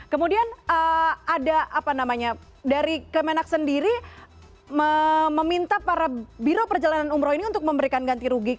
kemudian ada apa namanya dari kemenak sendiri meminta para biro perjalanan umroh ini untuk memberikan ganti rugi